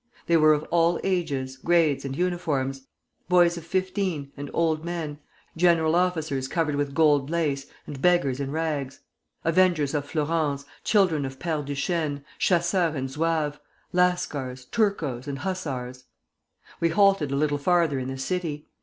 They were of all ages, grades, and uniforms, boys of fifteen and old men, general officers covered with gold lace, and beggars in rags: Avengers of Flourens, Children of Père Duchêne, Chasseurs and Zouaves, Lascars, Turcos, and Hussars. We halted a little farther in the city.